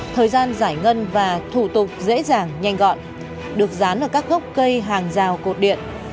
thời gian giải ngân và thủ tục dễ dàng nhanh gọn được dán ở các gốc cây hàng rào cột điện